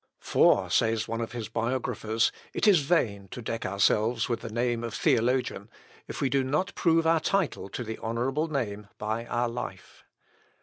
For, says one of his biographers, it is vain to deck ourselves with the name of theologian, if we do not prove our title to the honourable name by our life.